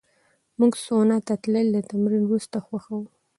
موږ سونا ته تلل د تمرین وروسته خوښوو.